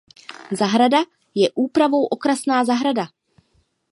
Zahrada je úpravou okrasná zahrada.